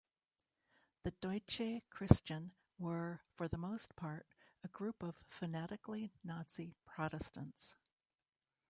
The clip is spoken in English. The Deutsche Christen were, for the most part, a group of fanatically Nazi Protestants.